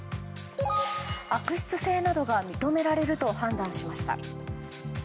悪質性などが認められると判断しました。